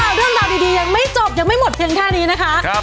เรื่องราวดียังไม่จบยังไม่หมดเพียงแค่นี้นะคะ